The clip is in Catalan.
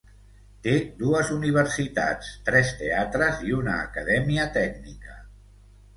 Té dues universitats, tres teatres i una acadèmia tècnica.